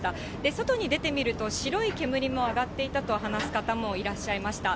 外に出てみると、白い煙も上がっていたと話す方もいらっしゃいました。